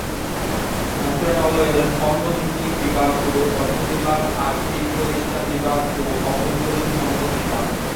মন্ত্রণালয়ের অন্য তিনটি বিভাগ হলো: অর্থ বিভাগ, আর্থিক প্রতিষ্ঠান বিভাগ ও অভ্যন্তরীণ সম্পদ বিভাগ।